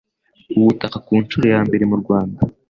ubutaka ku nshuro ya mbere mu rwanda